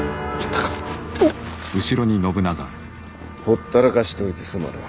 ほったらかしておいてすまぬ。